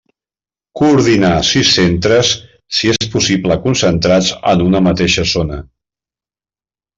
Coordinar sis centres, si és possible concentrats en una mateixa zona.